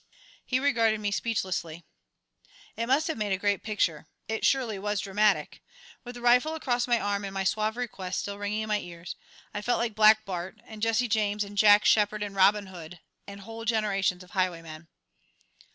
He regarded me speechlessly. It must have made a great picture. It surely was dramatic. With the rifle across my arm and my suave request still ringing in my ears, I felt like Black Bart, and Jesse James, and Jack Sheppard, and Robin Hood, and whole generations of highwaymen.